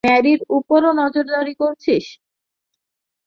ম্যারির উপর ও নজরদারি করছিস?